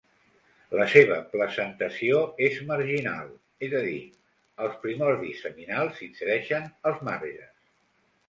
La seva placentació és marginal, és a dir, els primordis seminals s'insereixen als marges.